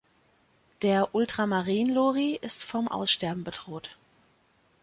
Der Ultramarinlori ist vom Aussterben bedroht.